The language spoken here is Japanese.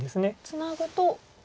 ツナぐと。